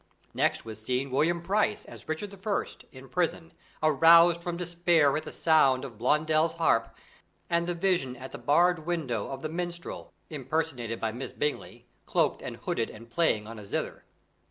Next was seen William Price as Richard I, in prison, aroused from despair at the sound of Blondel's harp, and the vision at the barred window of the minstrel, impersonated by Miss Bingley, cloaked and hooded and playing on a zither.